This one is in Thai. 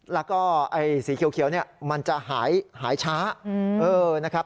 แล้วก็สีเขียวมันจะหายช้า